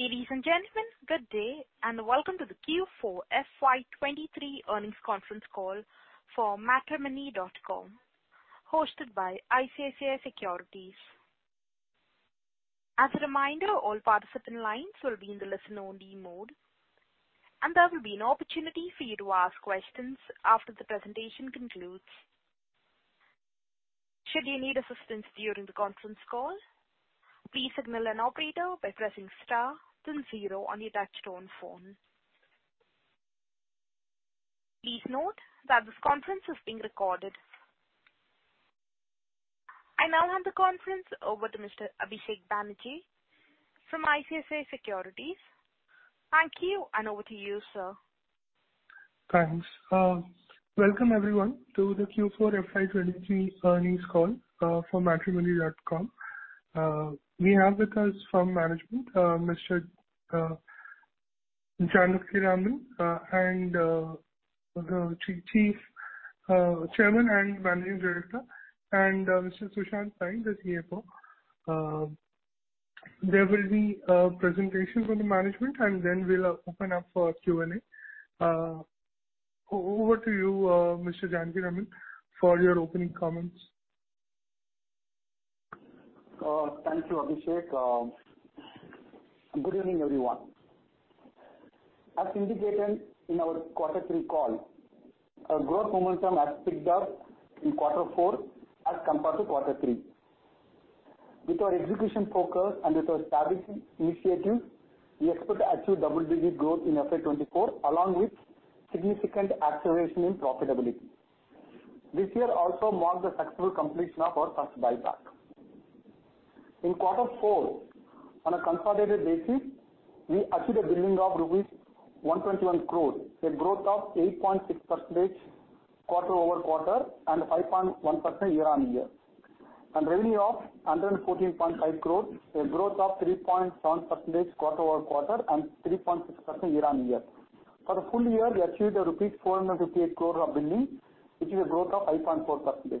Ladies and gentlemen, good day, and welcome to the Q4 FY23 Earnings Conference Call for Matrimony.com, hosted by ICICI Securities. As a reminder, all participant lines will be in the listen only mode, and there will be an opportunity for you to ask questions after the presentation concludes. Should you need assistance during the conference call, please signal an operator by pressing star then 0 on your touchtone phone. Please note that this conference is being recorded. I now hand the conference over to Mr. Abhishek Banerjee from ICICI Securities. Thank you, and over to you, sir. Thanks. Welcome everyone to the Q4 FY23 Earnings Call for Matrimony.com. We have with us from management, Mr. Janakiraman, the Chairman and Managing Director, and Mr. Sushanth Pai, the CFO. There will be a presentation from the management, then we'll open up for Q&A. Over to you, Mr. Janakiraman, for your opening comments. Thank you, Abhishek. Good evening, everyone. As indicated in our Q3 call, our growth momentum has picked up in Q4 as compared to Q3. With our execution focus and with our established initiatives, we expect to achieve double-digit growth in FY 2024 along with significant acceleration in profitability. This year also marked the successful completion of our first buyback. In Q4, on a consolidated basis, we achieved a billing of rupees 121 crore, a growth of 8.6% quarter-over-quarter and 5.1% year-on-year. Revenue of 114.5 crore, a growth of 3.7% quarter-over-quarter and 3.6% year-on-year. For the full year, we achieved 458 crore of billing, which is a growth of 8.4%.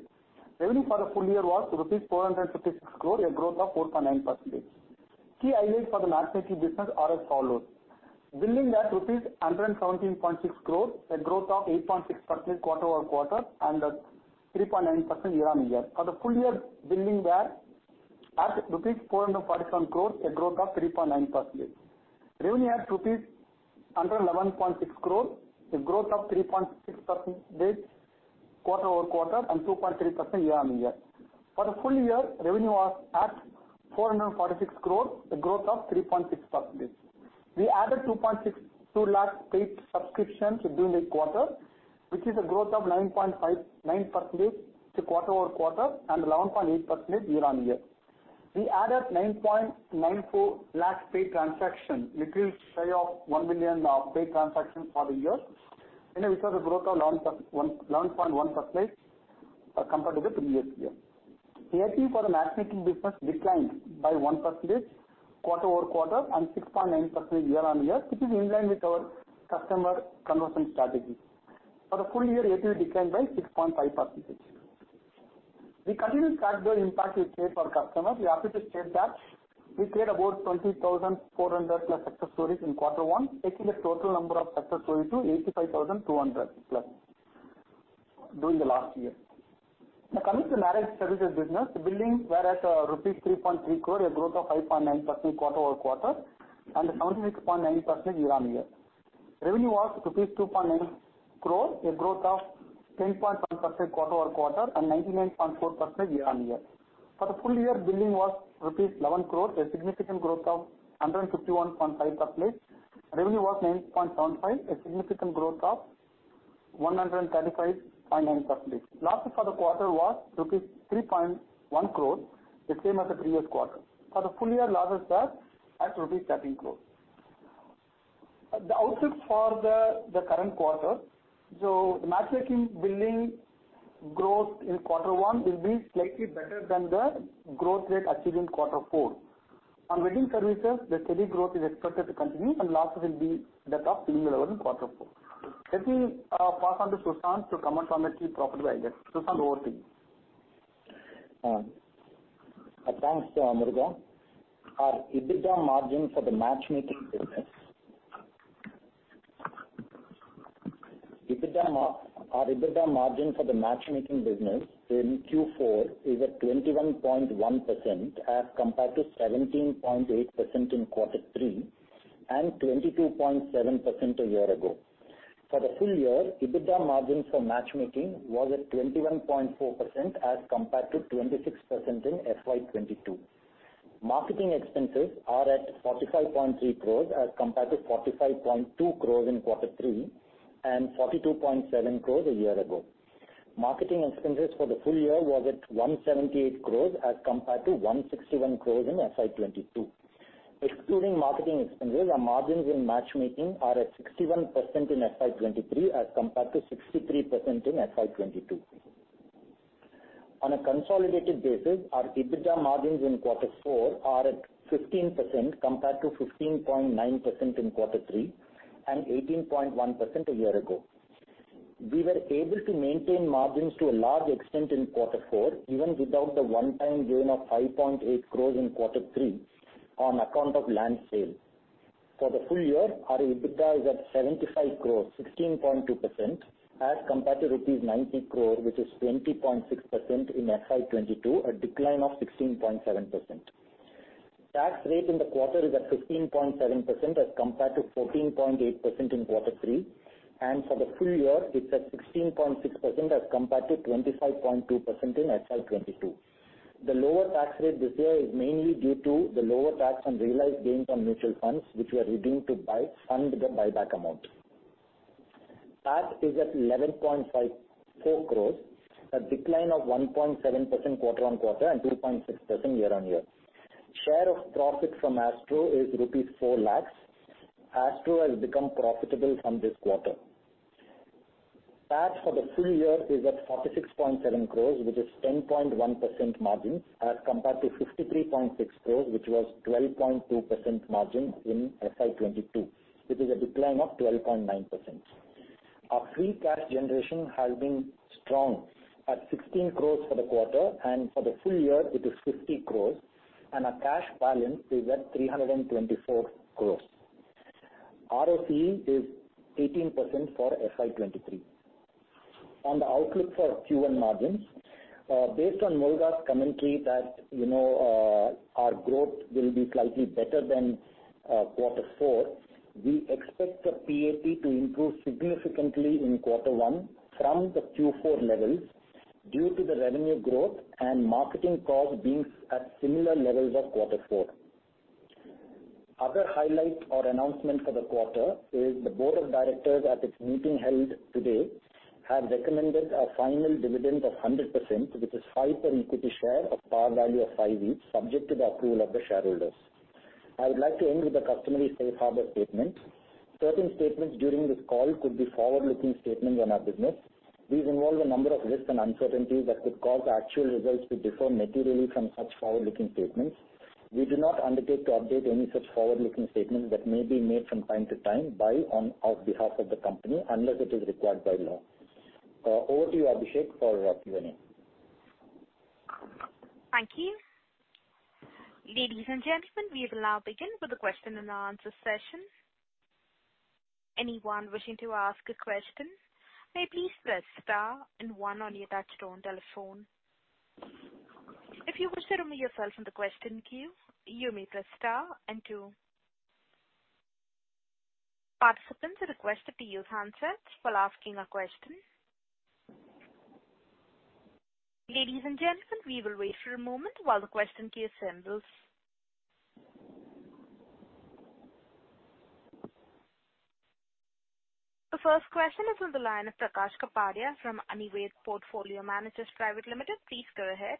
Revenue for the full year was 456 crore, a growth of 4.9%. Key highlights for the matchmaking business are as follows: Billing at rupees 117.6 crores, a growth of 8.6% quarter-over-quarter and 3.9% year-on-year. For the full year, billing were at rupees 447 crores, a growth of 3.9%. Revenue at rupees 111.6 crores, a growth of 3.6% quarter-over-quarter and 2.3% year-on-year. For the full year, revenue was at 446 crores, a growth of 3.6%. We added 2 lakh paid subscriptions during the quarter, which is a growth of 9% quarter-over-quarter and 11.8% year-on-year. We added 9.94 lakh paid transactions, little shy of 1 million of paid transactions for the year. We saw the growth of 11.1% as compared to the previous year. ARPU for the matchmaking business declined by 1% quarter-over-quarter. Six point nine percent year-on-year, which is in line with our customer conversion strategy. For the full year, ARPU declined by 6.5%. We continue to track the impact we create for customers. We're happy to state that we created about 22,400+ success stories in Q1, taking the total number of success stories to 85,200+ during the last year. Coming to the marriage services business, the billings were at rupees 3.3 crore, a growth of 8.9% quarter-over-quarter and 76.9% year-on-year. Revenue was rupees 2.9 crore, a growth of 10.1% quarter-over-quarter and 99.4% year-on-year. For the full year, billing was rupees 11 crore, a significant growth of 151.5%. Revenue was 9.75 crore, a significant growth of 135.9%. Losses for the quarter was rupees 3.1 crore, the same as the previous quarter. For the full year, losses were at rupees 13 crore. The outlook for the current quarter. The matchmaking billing growth in quarter one will be slightly better than the growth rate achieved in quarter four. On wedding services, the steady growth is expected to continue. Losses will be that of similar level in quarter four. Let me pass on to Sushanth to comment on the key profit guidance. Sushanth, over to you. Thanks, Murugavel. Our EBITDA margin for the matchmaking business in Q4 is at 21.1% as compared to 17.8% in Q3 and 22.7% a year ago. For the full year, EBITDA margins for matchmaking was at 21.4% as compared to 26% in FY2022. Marketing expenses are at 45.3 crores as compared to 45.2 crores in Q3 and 42.7 crores a year ago. Marketing expenses for the full year was at 178 crores as compared to 161 crores in FY2022. Excluding marketing expenses, our margins in matchmaking are at 61% in FY23 as compared to 63% in FY2022. On a consolidated basis, our EBITDA margins in quarter four are at 15% compared to 15.9% in quarter three and 18.1% a year ago. We were able to maintain margins to a large extent in quarter four, even without the one-time gain of 5.8 crores in quarter three on account of land sale. For the full year, our EBITDA is at 75 crores, 16.2% as compared to rupees 90 crores, which is 20.6% in FY 2022, a decline of 16.7%. Tax rate in the quarter is at 15.7% as compared to 14.8% in quarter three. For the full year it's at 16.6% as compared to 25.2% in FY 2022. The lower tax rate this year is mainly due to the lower tax on realized gains on mutual funds, which we are redeeming to buy-fund the buyback amount. Tax is at 11.54 crores, a decline of 1.7% quarter-over-quarter and 2.6% year-over-year. Share of profit from Astro-Vision is rupees 4 lakhs. Astro-Vision has become profitable from this quarter. Tax for the full year is at 46.7 crores, which is 10.1% margin as compared to 53.6 crores, which was 12.2% margin in FY 2022. It is a decline of 12.9%. Our free cash generation has been strong at 16 crores for the quarter, and for the full year it is 50 crores and our cash balance is at 324 crores. ROE is 18% for FY 2023. On the outlook for Q1 margins, based on Muruga's commentary that, you know, our growth will be slightly better than Q4, we expect the PAT to improve significantly in Q1 from the Q4 levels due to the revenue growth and marketing costs being at similar levels of Q4. Other highlight or announcement for the quarter is the board of directors at its meeting held today have recommended a final dividend of 100%, which is 5 per equity share of par value of 5 each subject to the approval of the shareholders. I would like to end with the customary safe harbor statement. Certain statements during this call could be forward-looking statements on our business. These involve a number of risks and uncertainties that could cause actual results to differ materially from such forward-looking statements. We do not undertake to update any such forward-looking statements that may be made from time to time by or on behalf of the company, unless it is required by law. Over to you, Abhishek, for Q&A. Thank you. Ladies and gentlemen, we will now begin with the question and answer session. Anyone wishing to ask a question may please press star and one on your touchtone telephone. If you wish to remove yourself from the question queue, you may press star and two. Participants are requested to use handsets while asking a question. Ladies and gentlemen, we will wait for a moment while the question queue assembles. The first question is on the line of Prakash Kapadia from Anived Portfolio Managers Private Limited. Please go ahead.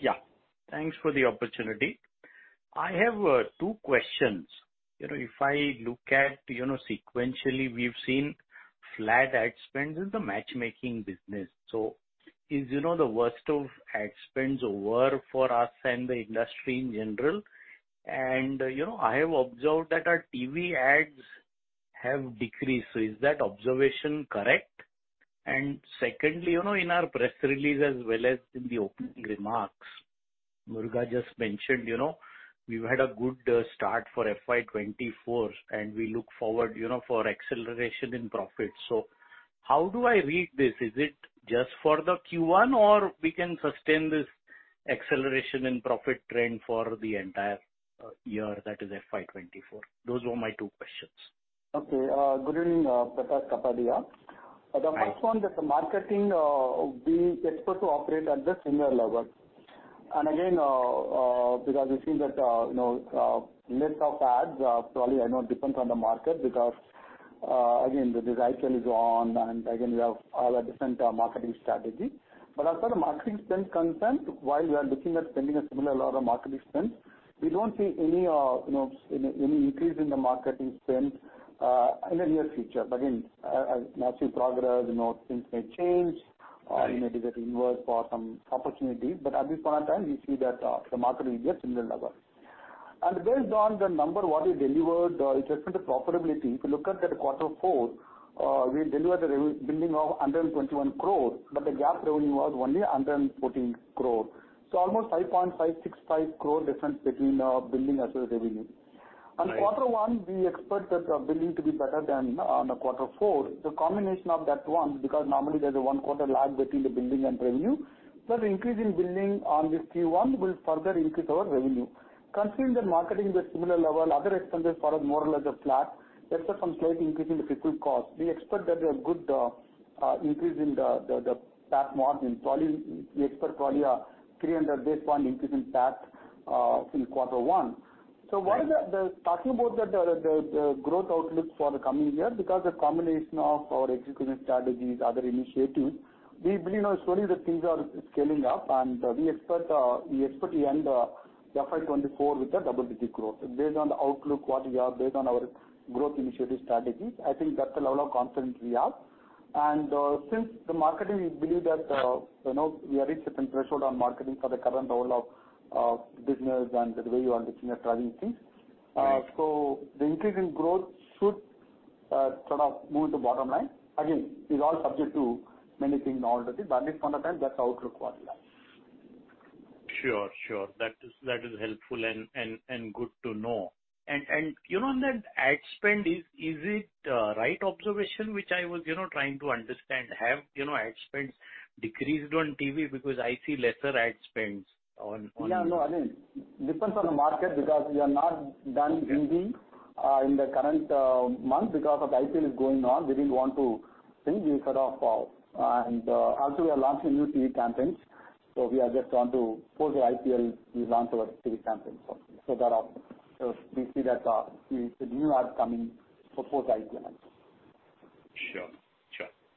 Yeah, thanks for the opportunity. I have two questions. You know, if I look at, you know, sequentially, we've seen flat ad spends in the matchmaking business. Is, you know, the worst of ad spends over for us and the industry in general? You know, I have observed that our TV ads have decreased. Is that observation correct? Secondly, you know, in our press release as well as in the opening remarks, Muruga just mentioned, you know, we've had a good start for FY 2024 and we look forward, you know, for acceleration in profits. How do I read this? Is it just for the Q1 or we can sustain this acceleration in profit trend for the entire year that is FY 2024? Those were my two questions. Good evening, Prakash Kapadia. Thanks. The first one, just the marketing, we expect to operate at the similar level. And again, because we've seen that, you know, mix of ads, probably I know it depends on the market because again, the Desi IPL is on and again we have our different marketing strategy. But as far as marketing spend concerned, while we are looking at spending a similar lot of marketing spend, we don't see any, you know, any increase in the marketing spend in the near future. But again, as we progress, you know, things may change. Right. We may decide to invest for some opportunities, but at this point in time, we see that the marketing is at similar levels. Based on the number what we delivered, in terms of the profitability, if you look at the quarter four, we delivered a rebilling of 121 crores, but the GAAP revenue was only 114 crores. Almost 5.565 crore difference between billing as well as revenue. Right. Quarter one, we expect that billing to be better than the quarter four. The combination of that one, because normally there is a one-quarter lag between the billing and revenue. The increase in billing on this Q1 will further increase our revenue. Considering the marketing is at similar level, other expenses for us more or less are flat, except for some slight increase in the people cost. We expect that a good increase in the tax margin. We expect probably a 300 basis point increase in tax in quarter one. Right. While talking about the growth outlook for the coming year, because the combination of our execution strategies, other initiatives, we believe now slowly that things are scaling up and we expect to end the FY 2024 with a double-digit growth. Based on the outlook what we have, based on our growth initiative strategies, I think that's the level of confidence we have. Since the marketing, we believe that, you know, we have reached a certain threshold on marketing for the current level of business and the way we are looking at running things. The increase in growth should sort of move the bottom line. Again, it's all subject to many things, all the things. At least for the time, that's the outlook for this. Sure. That is helpful and good to know. you know that ad spend, is it, right observation, which I was, you know, trying to understand? Have, you know, ad spends decreased on TV because I see lesser ad spends on? Yeah, no, I mean, depends on the market because we are not done TV, in the current month because of the IPL is going on. We didn't want to, and after we are launching new TV campaigns. We are just going to post the IPL, we launch our TV campaign. That option. We see that, we the new ad coming for post IPL. Sure.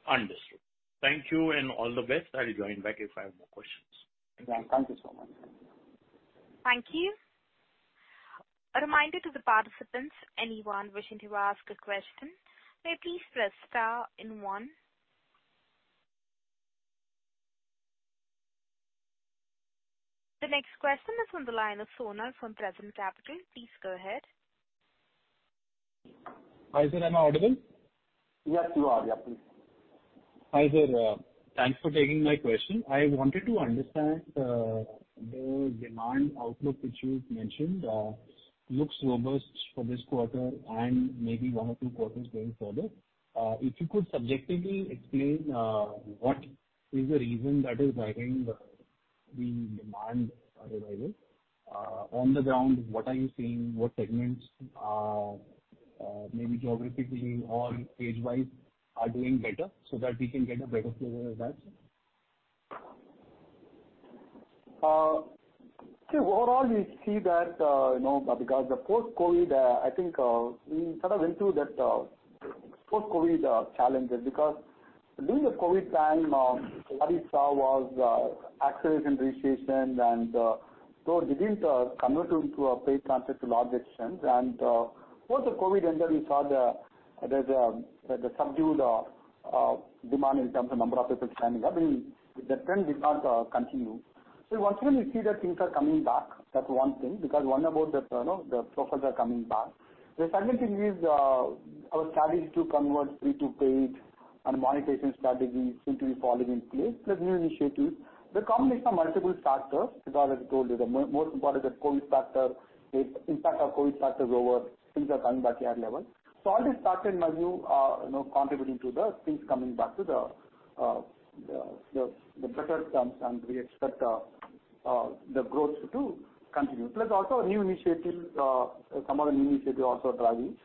Understood. Thank you and all the best. I'll join back if I have more questions. Yeah. Thank you so much. Thank you. A reminder to the participants, anyone wishing to ask a question, may please press star and one. The next question is on the line of Sonal from Tremis Capital. Please go ahead. Hi, sir. Am I audible? Yes, you are. Yeah, please. Hi there. Thanks for taking my question. I wanted to understand the demand outlook which you mentioned looks robust for this quarter and maybe one or two quarters going further. If you could subjectively explain what is the reason that is driving the demand revival. On the ground, what are you seeing? What segments are maybe geographically or age-wise are doing better so that we can get a better flavor of that? See, overall, we see that, you know, because the post-COVID, I think, we sort of went through that post-COVID challenges because during the COVID time, what we saw was acceleration, recession, and so it didn't convert into a paid transit to large extent. Post the COVID ended, we saw there's a subdued demand in terms of number of people signing up. The trend did not continue. Once again, we see that things are coming back. That's one thing, because one about the, you know, the profits are coming back. The second thing is our strategy to convert free to paid and monetization strategies seem to be falling in place with new initiatives. The combination of multiple factors, Siddharth has told you the most important is the COVID factor. The impact of COVID factor is over. Things are coming back to our level. All this factor, Madhu, are, you know, contributing to the things coming back to the, the better terms, and we expect the growth to continue. Also new initiatives, some of the new initiative also driving.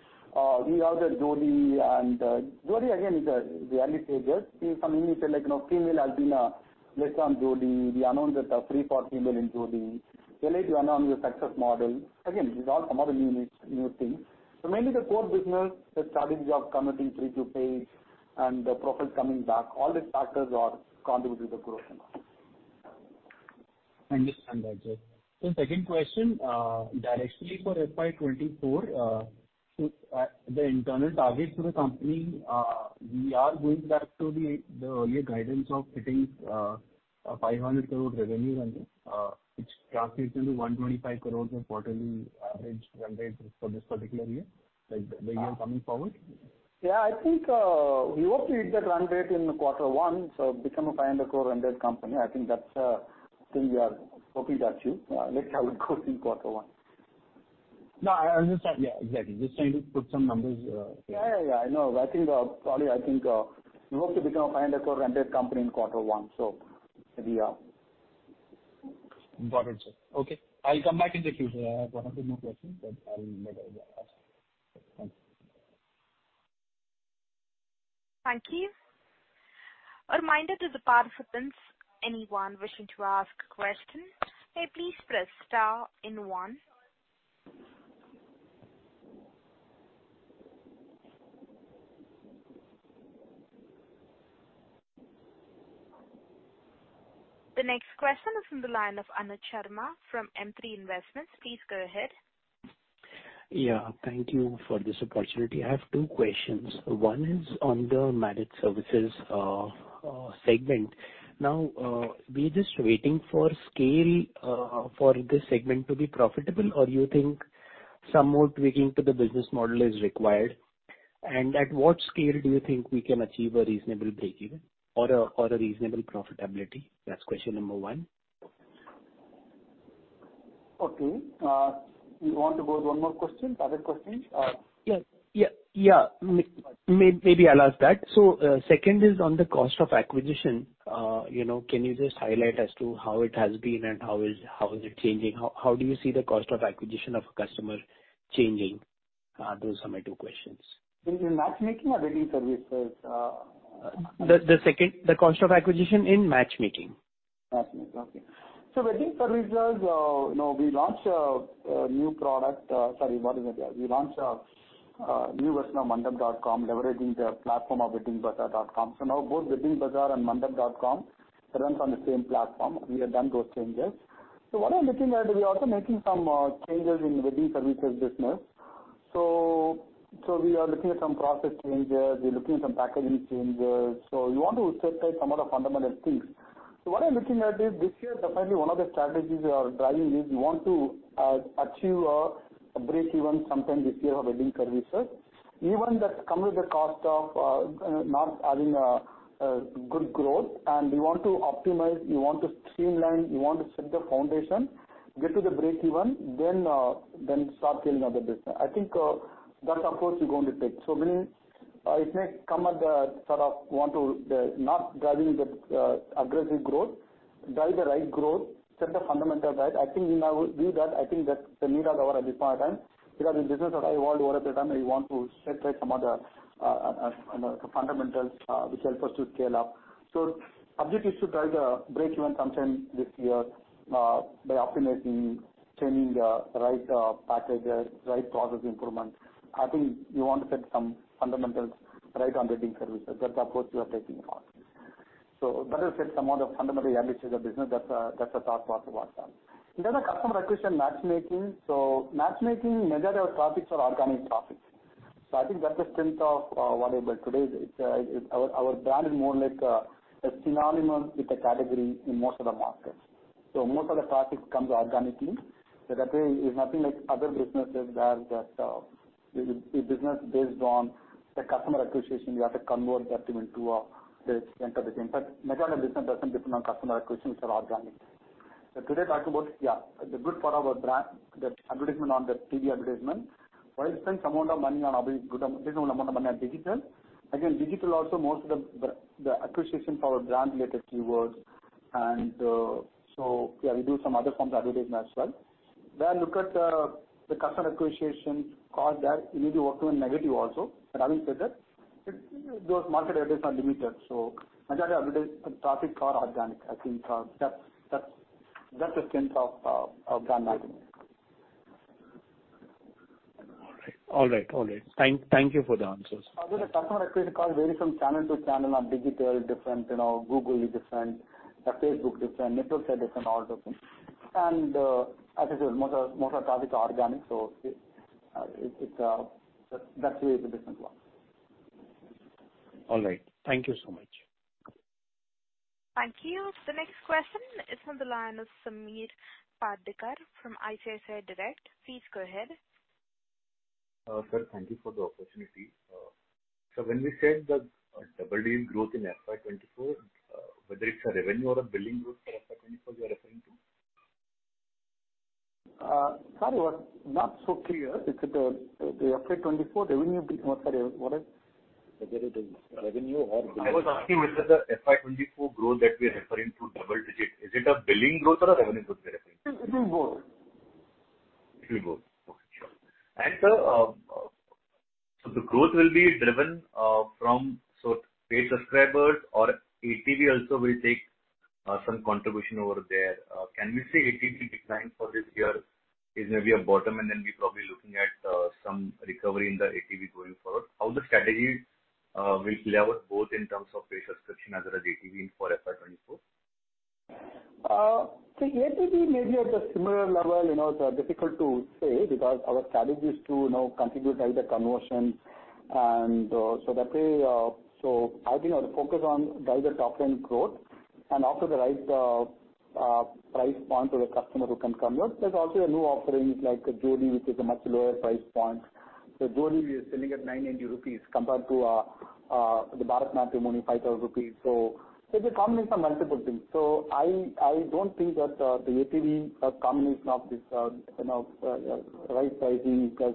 We have the Jodii and Jodii again is the early stages. We have some initiative like, you know, female elite list on Jodii. We announced that free for female in Jodii. We like to announce the success model. These are some of the new things. Mainly the core business, the strategy of converting free to paid and the profits coming back, all these factors are contributing to the growth. Understand that. Second question, directly for FY24, the internal targets for the company, we are going back to the earlier guidance of hitting a 500 crore revenue run rate, which translates into 125 crore of quarterly average run rate for this particular year, like the year coming forward. I think, we hope to hit that run rate in quarter one, so become a 500 crore run rate company. I think that's, thing we are hoping to achieve. Let's have it in quarter one. No, I was just like, yeah, exactly. Just trying to put some numbers. Yeah. I know. I think, probably we hope to become a 500 crore run rate company in quarter one, we are. Got it, sir. Okay. I'll come back in the future. I have one or two more questions, but I'll make sure I ask. Thank you. Thank you. A reminder to the participants, anyone wishing to ask a question, may please press star and one. The next question is from the line of Anuj Sharma from M3 Investments. Please go ahead. Yeah, thank you for this opportunity. I have two questions. One is on the managed services segment. Now, we're just waiting for scale for this segment to be profitable or you think some more tweaking to the business model is required? At what scale do you think we can achieve a reasonable breakeven or a reasonable profitability? That's question number one. Okay. You want to go with one more question? Other question. Yeah, yeah. Maybe I'll ask that. Second is on the cost of acquisition. You know, can you just highlight as to how it has been and how is it changing? How do you see the cost of acquisition of a customer changing? Those are my two questions. In matchmaking or wedding services. The second, the cost of acquisition in matchmaking. Matchmaking. Okay. Wedding services, you know, we launched a new product. Sorry, what is it? Yeah. We launched a new version of mandap.com, leveraging the platform of WeddingBazaar.com. Now both Wedding Bazaar and mandap.com runs on the same platform. We have done those changes. What I'm looking at, we're also making some changes in wedding services business. We are looking at some process changes. We're looking at some packaging changes. We want to set aside some of the fundamental things. What I'm looking at is this year, definitely one of the strategies we are driving is we want to achieve a breakeven sometime this year of wedding services, even that come with the cost of not having a good growth. We want to optimize, we want to streamline, we want to set the foundation, get to the breakeven, then start scaling up the business. I think that approach we're going to take. Meaning, it may come at the sort of want to the not driving the aggressive growth, drive the right growth, set the fundamentals right. I think we now do that. I think that the need of the hour at this point in time, because the business that I want over the time, I want to set right some of the fundamentals which help us to scale up. Objective is to drive the breakeven sometime this year by optimizing, changing the right packages, right process improvements. I think we want to set some fundamentals right on wedding services. That's the approach we are taking now. Better set some of the fundamental averages of business. That's a, that's a thought process on that. The customer acquisition matchmaking. Matchmaking, majority of traffic are organic traffic. I think that's the strength of what I built today. It's, our brand is more like a phenomenon with a category in most of the markets. Most of the traffic comes organically. That way it's nothing like other businesses where that business based on the customer acquisition, you have to convert that into a, the center of the impact. Majority of the business doesn't depend on customer acquisition. It's all organic. Today talk about, yeah, the good part of our brand, the advertisement on the TV advertisement. While you spend some amount of money on every good amount of money on digital. Digital also most of the acquisition for brand related keywords. Yeah, we do some other forms of advertisement as well. Look at the customer acquisition cost that may be working negative also. Having said that, those market areas are limited. Majority of the traffic are organic. I think, that's the strength of our brand marketing. All right. All right. Thank you for the answers. Although the customer acquisition cost varies from channel to channel. On digital, different, you know, Google is different, Facebook different, networks are different, all different. As I said, most of the traffic are organic. It's that way it's a different one. All right. Thank you so much. Thank you. The next question is from the line of Samir Padikar from ICICI Direct. Please go ahead. Sir, thank you for the opportunity. When we said that double-digit growth in FY 2024, whether it's a revenue or a billing growth for FY 2024 you are referring to? Sorry, was not so clear. Is it the FY 2024 revenue? Whether it is revenue I was asking whether the FY 2024 growth that we are referring to double-digit, is it a billing growth or a revenue growth we are referring to? It will grow. It will grow. Okay, sure. The growth will be driven from sort of paid subscribers or ATV also will take some contribution over there. Can we say ATV decline for this year is maybe a bottom, and then we're probably looking at some recovery in the ATV going forward? The strategies will lever both in terms of paid subscription as well as ATV for FY 2024? ATV may be at a similar level. You know, it's difficult to say because our strategy is to, you know, continuously the conversion. That way, I think our focus on drive the top-line growth and offer the right price point to the customer who can convert. There's also a new offerings like Jodii, which is a much lower price point. Jodii, we are selling at INR 990 compared to the BharatMatrimony, 5,000 rupees. It's a combination of multiple things. I don't think that the ATV, a combination of this, you know, right sizing plus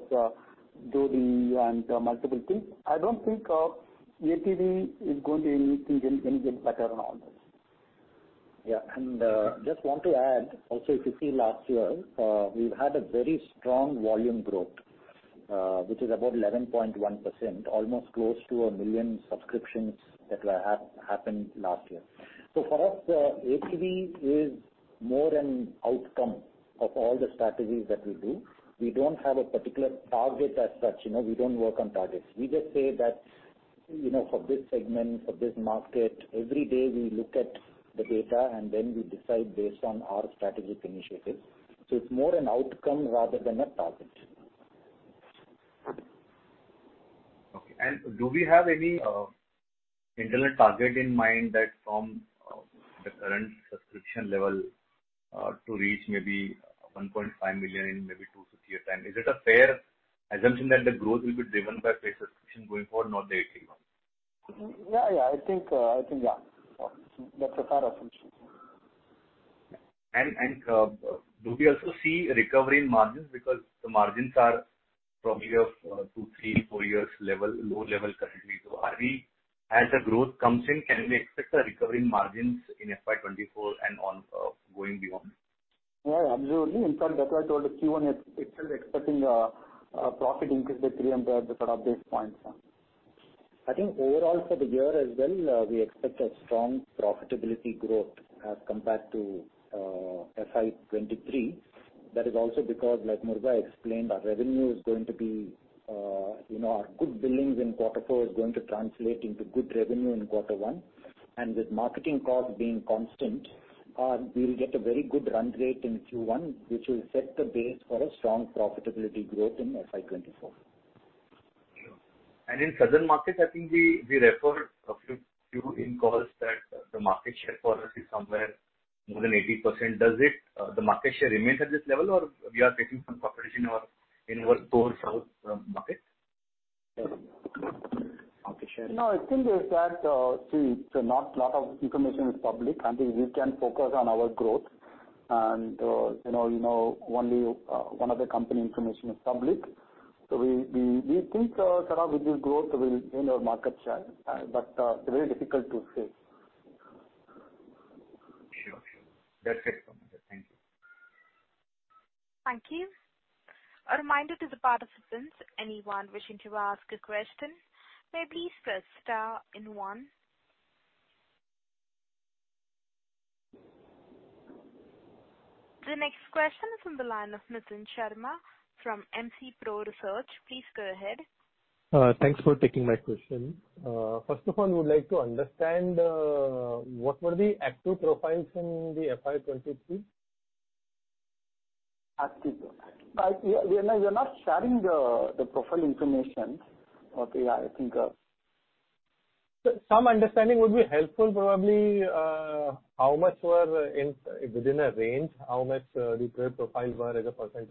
Jodii and multiple things. I don't think ATV is going to increase in any bit better on all this. Yeah. Just want to add also, if you see last year, we had a very strong volume growth, which is about 11.1%, almost close to 1 million subscriptions that happened last year. For us, ATV is more an outcome of all the strategies that we do. We don't have a particular target as such. You know, we don't work on targets. We just say that, you know, for this segment, for this market, every day we look at the data and then we decide based on our strategic initiatives. It's more an outcome rather than a target. Okay. Do we have any internal target in mind that from the current subscription level to reach maybe 1.5 million in maybe 2-3 years time? Is it a fair assumption that the growth will be driven by paid subscription going forward, not the ATV one? Yeah, I think, yeah. Okay. That's a fair assumption. Do we also see a recovery in margins because the margins are from year of 2, 3, 4 years level, low level currently. As the growth comes in, can we expect a recovery in margins in FY 2024 and on, going beyond? Yeah, absolutely. That's why I told the Q1 itself expecting a profit increase by 300 basis points. I think overall for the year as well, we expect a strong profitability growth as compared to FY 2023. That is also because like Murugavel explained, our revenue is going to be, you know, our good billings in quarter four is going to translate into good revenue in quarter one. With marketing costs being constant- We will get a very good run rate in Q1, which will set the base for a strong profitability growth in FY 2024. Sure. In southern markets, I think we referred a few in calls that the market share for us is somewhere more than 80%. Does it, the market share remains at this level or we are taking some competition in our core south market share? No, I think is that, see, not lot of information is public. I think we can focus on our growth and, you know, you know, only one of the company information is public. We think sort of with this growth we'll gain our market share, but it's very difficult to say. Sure. Sure. That's it from me then. Thank you. Thank you. A reminder to the participants, anyone wishing to ask a question, may please press star and one. The next question is from the line of Nitin Sharma from MC Pro Research. Please go ahead. Thanks for taking my question. First of all, I would like to understand what were the active profiles in the FY 2023? Active profiles. We are not sharing the profile information. Okay. I think. Some understanding would be helpful probably, how much were in, within a range, how much, the profile were as a % of active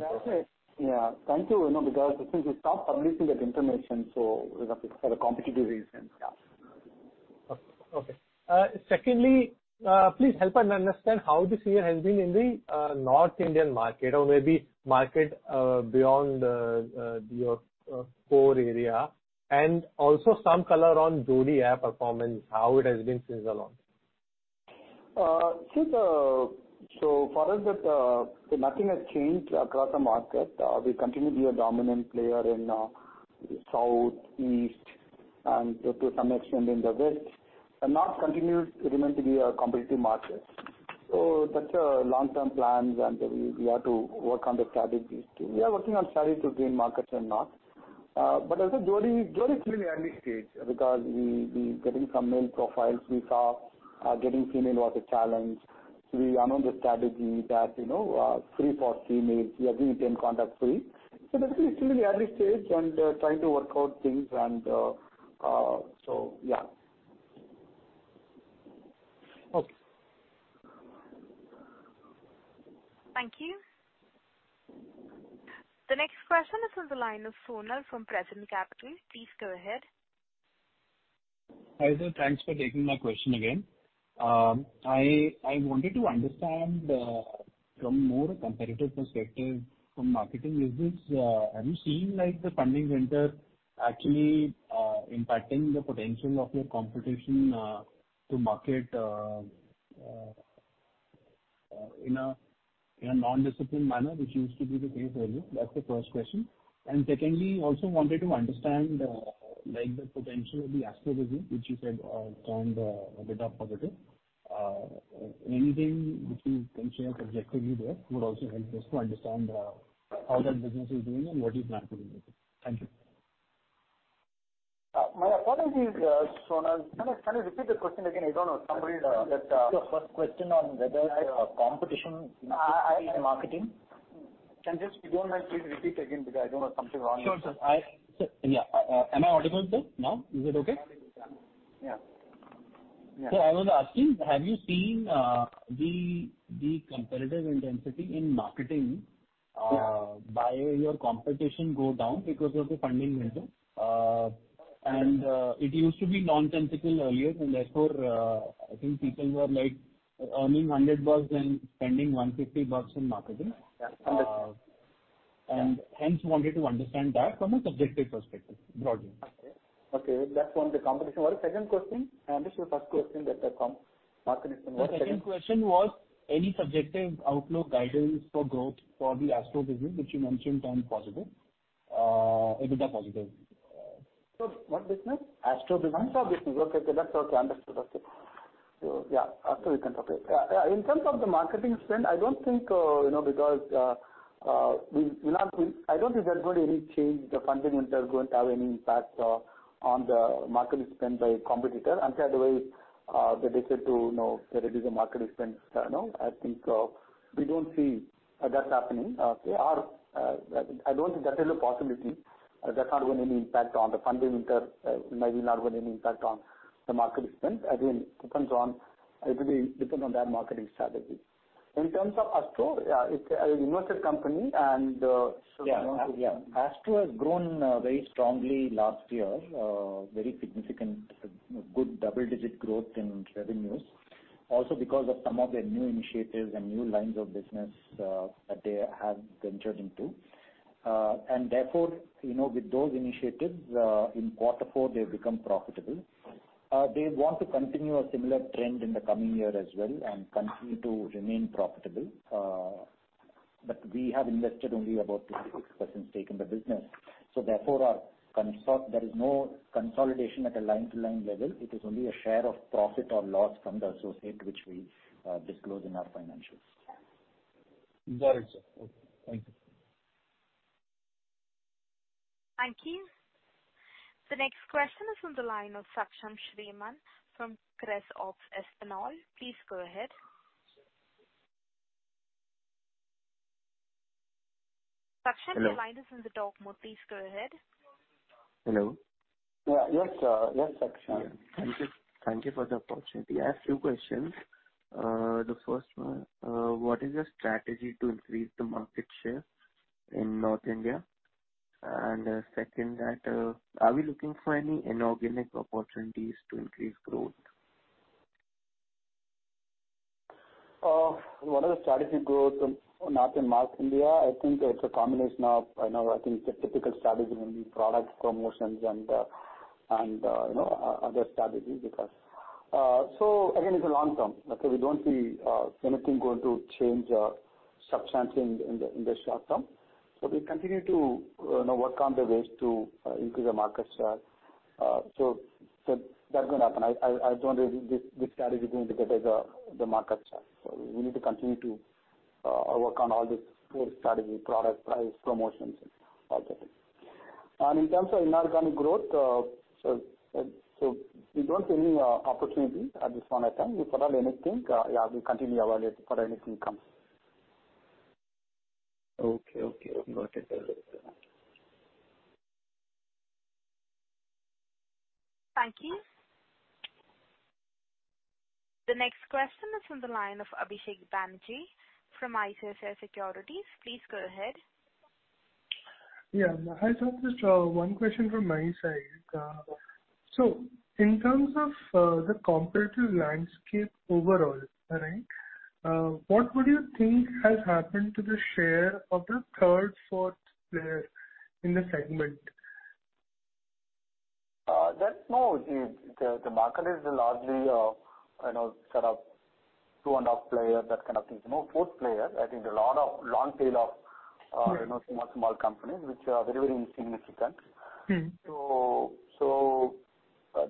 profiles? That's it. Yeah. Thank you. You know, because I think we stopped publishing that information, so for the competitive reasons. Yeah. Okay. Okay. Secondly, please help us understand how this year has been in the North Indian market or maybe market beyond your core area. Also some color on Jodii app performance, how it has been since the launch. Since for us that nothing has changed across the market. We continue to be a dominant player in South, East and to some extent in the West. North continues to remain to be a competitive market. That's a long-term plans and we are working on strategy to gain market share North. As a Jodii is really early stage because we getting some male profiles. We saw getting female was a challenge. We announced the strategy that, you know, free for females. We are giving them contact free. That's really still in the early stage and trying to work out things and so yeah. Okay. Thank you. The next question is on the line of Sonal from Prescient Capital. Please go ahead. Hi, sir. Thanks for taking my question again. I wanted to understand from more competitive perspective from marketing is this, have you seen like the funding winter actually impacting the potential of your competition to market in a non-disciplined manner, which used to be the case earlier? That's the first question. Secondly, also wanted to understand like the potential of the Astro-Vision business, which you said turned EBITDA positive. Anything which you can share subjectively there would also help us to understand how that business is doing and what is happening with it. Thank you. My apologies, Sonal. Can you repeat the question again? I don't know. Somebody, that. Sure. First question on whether, competition in marketing... I. Can just if you don't mind please repeat again because I don't know? Sure, sir. Yeah, am I audible, sir, now? Is it okay? Yeah. Yeah. I want to ask you, have you seen the competitive intensity in marketing- Yeah. By your competition go down because of the funding winter? It used to be nonsensical earlier and therefore, I think people were like earning 100 bucks and spending 150 bucks in marketing. Yeah. Understood. Hence wanted to understand that from a subjective perspective broadly. Okay. Okay. That's one, the competition. What is second question? I understood first question that marketing spend. What's second? The second question was any subjective outlook guidance for growth for the Astro-Vision business, which you mentioned turned positive, EBITDA positive. What business? Astro-Vision business. Astro-Vision business. Okay. Okay. That's okay. Understood. That's it. Yeah, Astro-Vision we can talk later. Yeah, yeah. In terms of the marketing spend, I don't think, you know, because I don't think that's going to really change. The funding winter is going to have any impact on the marketing spend by competitor. By the way, they decide to, you know, reduce their marketing spend. You know, I think, we don't see that's happening. They are, I don't think that's a possibility. That's not going to impact on the funding winter. It might be not going to impact on the marketing spend. Again, depends on, it'll be depend on their marketing strategy. In terms of Astro-Vision, yeah, it's a listed company and. Yeah. Yeah. Astro-Vision has grown very strongly last year, very significant, good double-digit growth in revenues. Also because of some of their new initiatives and new lines of business that they have ventured into. Therefore, you know, with those initiatives, in quarter four they've become profitable. They want to continue a similar trend in the coming year as well and continue to remain profitable. We have invested only about 56% stake in the business. Therefore there is no consolidation at a line-to-line level. It is only a share of profit or loss from the associate which we disclose in our financials. Got it, sir. Okay. Thank you. Thank you. The next question is on the line of Saksham .Shriman from Creso Espinol. Please go ahead. Saksham, your line is on the talk mode. Please go ahead. Hello? Yeah. Yes, yes, Saksham. Thank you. Thank you for the opportunity. I have 2 questions. The 1st one, what is your strategy to increase the market share in North India? 2nd, that, are we looking for any inorganic opportunities to increase growth? What are the strategy growth North and Mark India? I think it's a combination of, you know, I think the typical strategy will be product promotions and, you know, other strategies because. Again, it's a long term. Okay. We don't see anything going to change substantially in the short term. We continue to, you know, work on the ways to increase the market share. That's gonna happen. I don't think this strategy is going to get us the market share. We need to continue to work on all these four strategy product, price, promotions and all that. In terms of inorganic growth, we don't see any opportunity at this point in time. We follow anything, yeah, we continue evaluate for anything comes. Okay. Okay. Got it. Thank you. The next question is from the line of Abhishek Banerjee from ICICI Securities. Please go ahead. Yeah. Hi, Santhosh. One question from my side. In terms of the competitive landscape overall, right, what would you think has happened to the share of the third, fourth player in the segment? The market is largely, you know, sort of 2.5 player, that kind of thing. No fourth player. I think there are a lot of long tail of, you know, small companies which are very, very insignificant.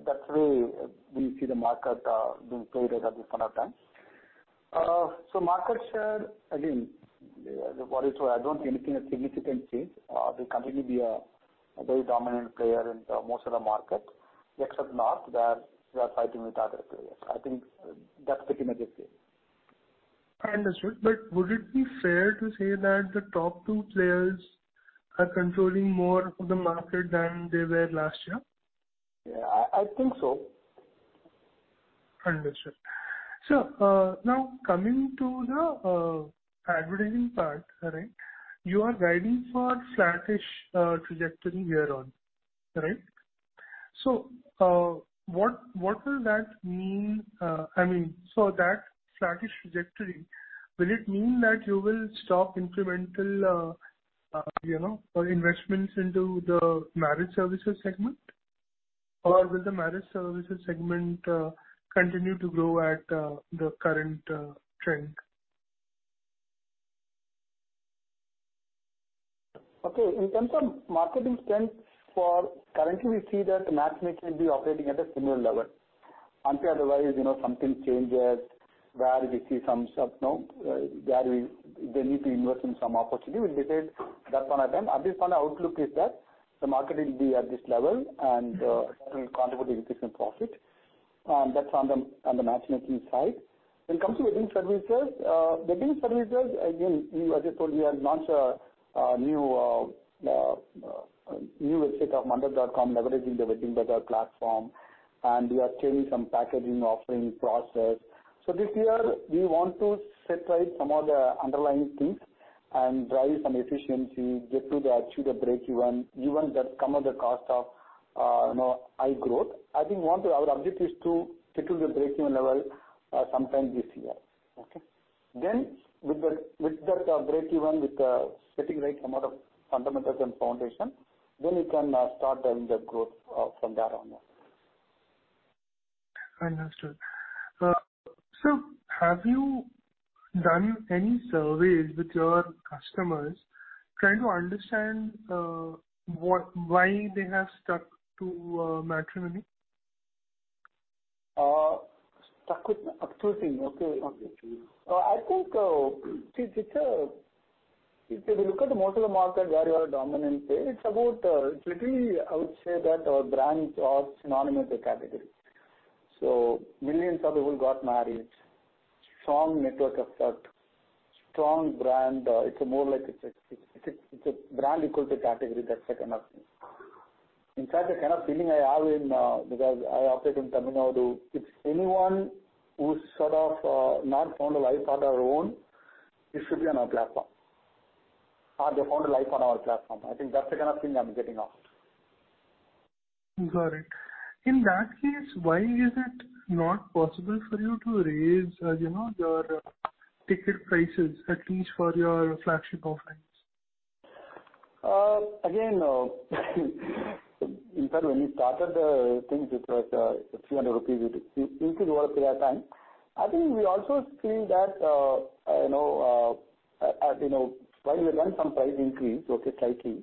That's why we see the market being played at this point of time. Market share, again, what is I don't see anything a significant change. They continue to be a very dominant player in most of the market, except north, where we are fighting with other players. I think that's the significant change. I understood. Would it be fair to say that the top two players are controlling more of the market than they were last year? Yeah, I think so. Understood. Now coming to the advertising part, right? You are guiding for flattish trajectory year on, right? So, what will that mean? I mean, so that flattish trajectory, will it mean that you will stop incremental, you know, investments into the marriage services segment, or will the marriage services segment continue to grow at the current trend? Okay. In terms of marketing trends for... Currently, we see that matchmaking be operating at a similar level. Until otherwise, you know, something changes where we see some sub note, where they need to invest in some opportunity, we'll decide that one at them. At this point, our outlook is that the market will be at this level, and that will contribute to profit. That's on the, on the matchmaking side. When it comes to wedding services, wedding services, again, we, as I told you, have launched a new website of Mandap.com, leveraging the WeddingWire platform. We are changing some packaging, offering process. This year we want to set right some of the underlying things and drive some efficiency, get to the, to the break even that come at the cost of, you know, high growth. I think one to our objective is to settle the break-even level sometime this year. Okay? With that break-even, with setting right some of the fundamentals and foundation, then we can start earning the growth from that onward. Understood. Have you done any surveys with your customers trying to understand why they have stuck to Matrimony? Stickiness. Okay. Okay. If you look at most of the market where we are a dominant player, it's about, it's literally, I would say that our brands are synonymous with category. Millions of people got married. Strong network effect, strong brand. It's more like it's a brand equal to category. That's the kind of thing. In fact, the kind of feeling I have in because I operate in Tamil Nadu, it's anyone who's sort of not found a life on their own, it should be on our platform, or they found a life on our platform. I think that's the kind of thing I'm getting of. Got it. In that case, why is it not possible for you to raise, you know, your ticket prices, at least for your flagship offerings? In fact, when we started the things, it was 300 rupees. It increased over a period of time. I think we also feel that, you know, while we have done some price increase, okay, slightly,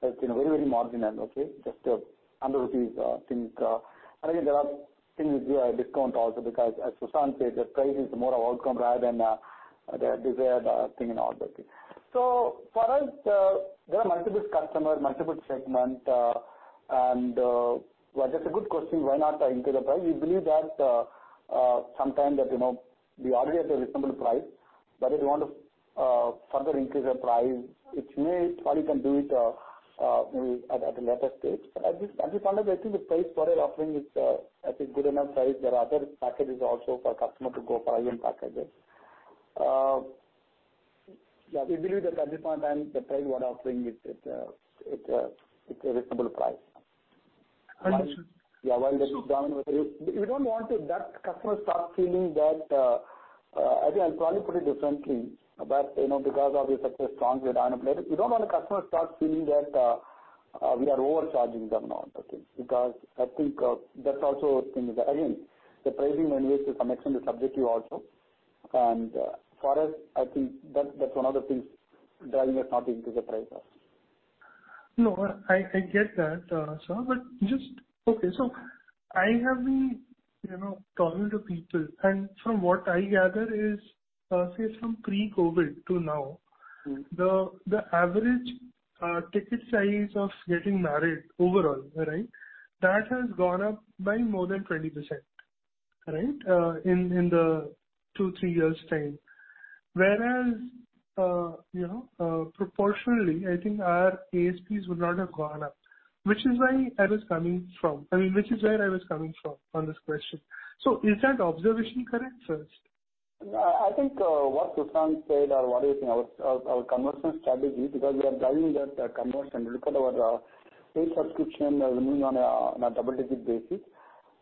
but it's been very, very marginal, okay? Just INR 100 things. And again, there are things we discount also because as Sushanth said, the price is more of outcome rather than their desired thing and all that thing. So for us, there are multiple customers, multiple segment, and, well, that's a good question, why not increase the price? We believe that, sometime that, you know, we already at a reasonable price, if you want to further increase the price, probably can do it, maybe at a later stage. At this point, I think the price for our offering is, I think good enough price. There are other packages also for customer to go for IM packages. Yeah, we believe that at this point in time, the price we are offering it's a reasonable price. Understood. Yeah. While We don't want to that customer start feeling that, I think I'll probably put it differently. You know, because of the success stories, we are dominant. We don't want a customer start feeling that, we are overcharging them now, okay. I think, that's also a thing. Again, the pricing anyways is something subjective also. For us, I think that's one of the things driving us not to increase the prices. I get that, sir. just... Okay. I have been, you know, talking to people, and from what I gather is, say from pre-COVID to now. Mm-hmm. the average ticket size of getting married overall, right? That has gone up by more than 20%, right? in 2, 3 years' time. Whereas, you know, proportionally, I think our ASPs would not have gone up, which is why I was coming from. I mean, which is where I was coming from on this question. Is that observation correct, sir? I think what Sushanth said or what is our commercial strategy, because we are driving that conversion. Look at our paid subscription moving on a double-digit basis.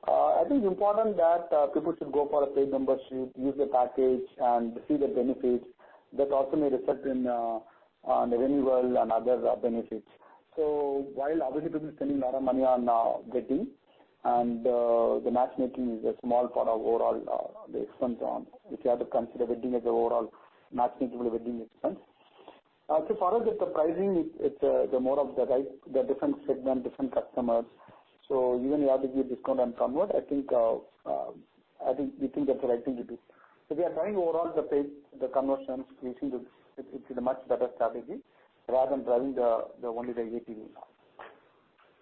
I think it's important that people should go for a paid membership, use the package and see the benefits. That also may result in the renewal and other benefits. While obviously people are spending a lot of money on wedding and the matchmaking is a small part of overall the expense on, if you have to consider wedding as overall matchmaking will wedding expense. For us, the pricing it's the more of the right, the different segment, different customers. Even we have to give discount and convert, I think we think that's the right thing to do. We are driving overall the paid, the conversions. It's a much better strategy rather than driving the only the ATV now.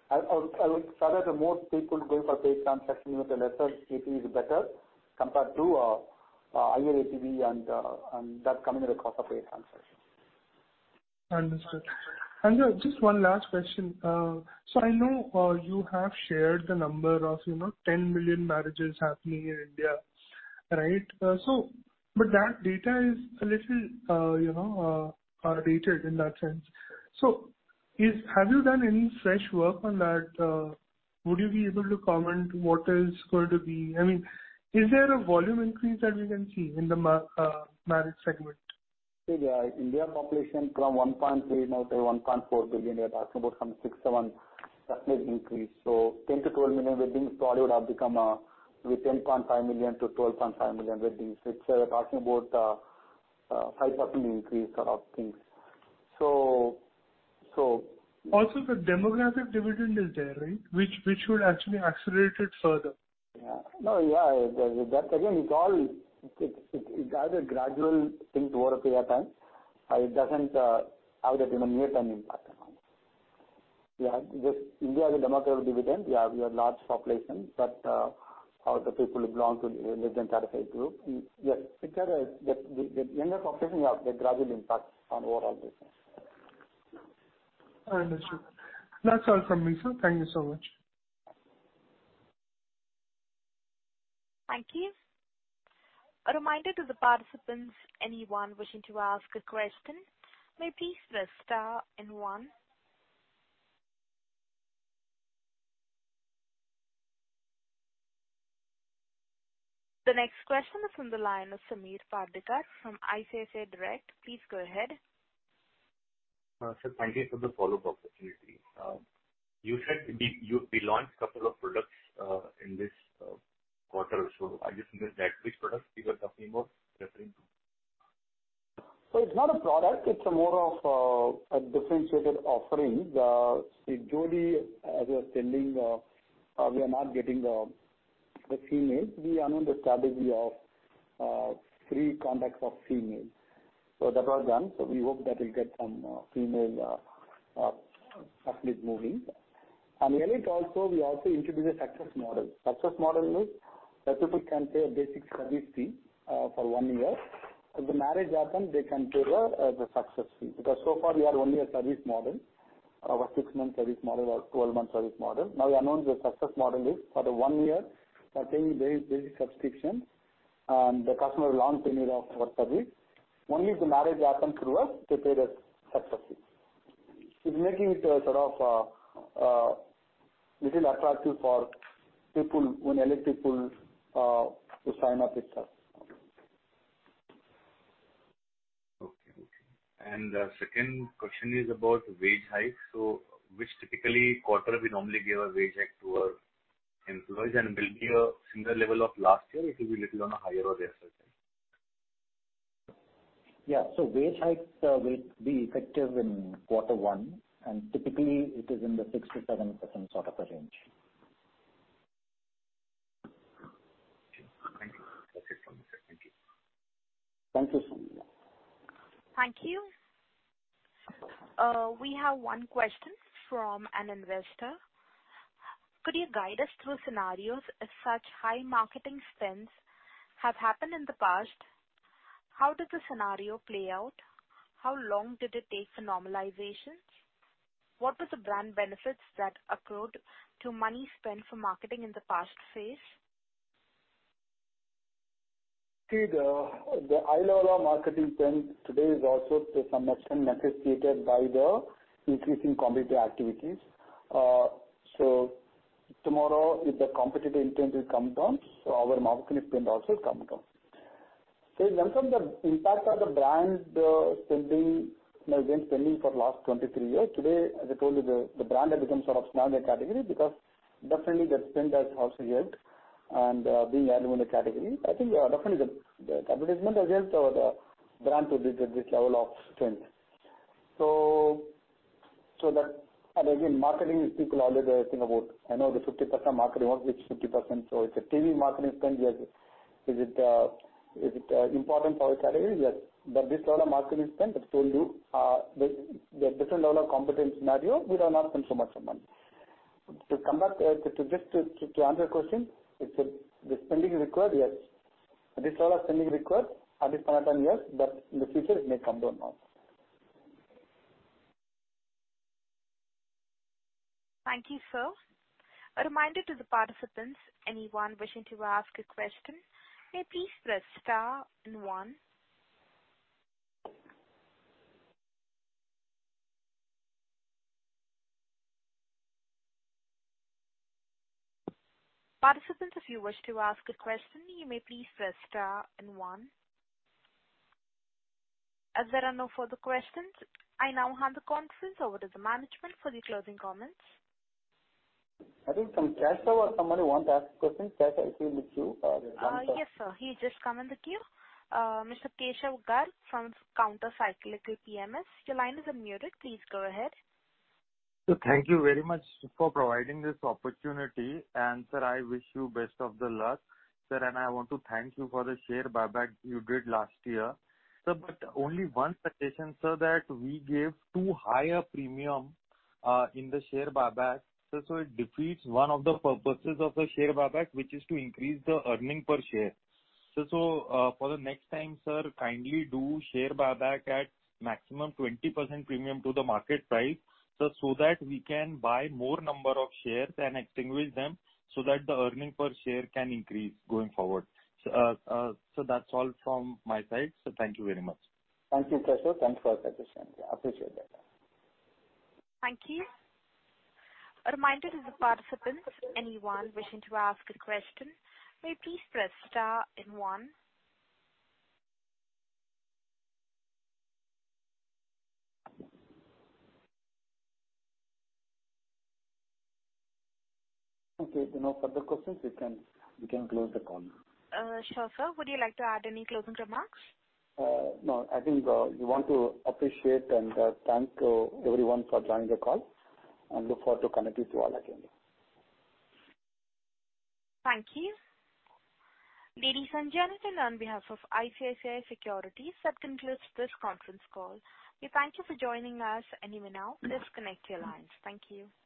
I would rather the more people going for paid transaction, even if the lesser ATV is better compared to higher ATV and that's coming at a cost of paid transaction. Understood. Just one last question. I know, you have shared the number of, you know, 10 million marriages happening in India, right? That data is a little, you know, outdated in that sense. Have you done any fresh work on that? Would you be able to comment what is going to be... I mean, is there a volume increase that we can see in the marriage segment? See the India population from 1.3 billion now to 1.4 billion, we are talking about some 6%, 7% increase. 10 million-12 million weddings probably would have become 10.5 million-12.5 million weddings, which we're talking about, 5% increase sort of things. Also the demographic dividend is there, right? Which should actually accelerate it further. Yeah. No. Yeah. That again, it's all... It has a gradual thing to over a period of time. It doesn't have that, you know, near-term impact at all. Yeah. Just India is a demographic dividend. Yeah, we are large population, but all the people belong to the less than 35 group. Yes, it has the younger population, yeah, the gradual impact on overall business. I understand. That's all from me, sir. Thank you so much. Thank you. A reminder to the participants, anyone wishing to ask a question, may please press star and one. The next question is from the line of Sameer Bhardwaj from ICICI Direct. Please go ahead. Sir, thank you for the follow-up opportunity. You said we launched couple of products in this quarter. I just missed that. Which products you were talking about referring to? It's not a product, it's more of a differentiated offering. See Jodii, as we are telling, we are not getting the females. We announced the strategy of free contacts of female. That was done. We hope that will get some female athletes moving. Elite also, we also introduced a success model. Success model means that people can pay a basic service fee for 1 year. If the marriage happens, they can pay the success fee. So far we are only a service model of a 6-month service model or 12-month service model. We announced the success model is for the 1 year, I think very basic subscription, and the customer will long tenure of our service. Only if the marriage happens through us, they pay the success fee. It's making it a sort of, little attractive for people, when Elite people, to sign up itself. Okay. Okay. The second question is about wage hike. Which typically quarter we normally give a wage hike to our employees? Will it be a similar level of last year? It will be little on a higher or lesser side? Wage hike will be effective in quarter one, and typically it is in the 6%-7% sort of a range. Okay. Thank you. That's it from this end. Thank you. Thank you so much. Thank you. We have one question from an investor. Could you guide us through scenarios if such high marketing spends have happened in the past? How did the scenario play out? How long did it take for normalization? What was the brand benefits that accrued to money spent for marketing in the past phase? See the high level of marketing spend today is also to some extent necessitated by the increasing competitive activities. Tomorrow, if the competitive intensity comes down, our marketing spend also will come down. When from the impact of the brand, spending, you know, been spending for the last 23 years, today, as I told you, the brand has become sort of standard category because definitely the spend has also helped and being added in the category. I think definitely the advertisement has helped the brand to reach at this level of strength. Again, marketing is people always think about. I know the 50% marketing, what's which 50%. It's a TV marketing spend, yes. Is it important for a category? Yes. This level of marketing spend that told you the different level of competitive scenario, we would have not spent so much of money. To come back, just to answer your question, if the spending is required, yes. This level of spending required at this point of time, yes, but in the future it may come down now. Thank you, sir. A reminder to the participants, anyone wishing to ask a question, may please press star and one. Participants, if you wish to ask a question, you may please press star and one. There are no further questions, I now hand the conference over to the management for the closing comments. I think from Keshav or somebody want to ask a question. Keshav is in the queue. He can start. Yes, sir. He just come in the queue. Mr. Keshav Garg from Countercyclical PMS. Your line is unmuted, please go ahead. Thank you very much for providing this opportunity. Sir, I wish you best of the luck. Sir, I want to thank you for the share buyback you did last year. Sir, only one suggestion, sir, that we gave too high a premium in the share buyback. It defeats one of the purposes of the share buyback which is to increase the earning per share. For the next time, sir, kindly do share buyback at maximum 20% premium to the market price, sir, so that we can buy more number of shares and extinguish them so that the earning per share can increase going forward. That's all from my side, thank you very much. Thank you, Keshav. Thanks for your suggestion. I appreciate that. Thank you. A reminder to the participants, anyone wishing to ask a question, may please press star and one. Okay. If no further questions, we can close the call now. Sure sir. Would you like to add any closing remarks? No. I think we want to appreciate and thank everyone for joining the call and look forward to connecting to you all again. Thank you. Ladies and gentlemen, on behalf of ICICI Securities, that concludes this conference call. We thank you for joining us. You may now disconnect your lines. Thank you.